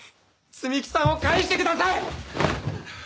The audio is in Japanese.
摘木さんを返してください！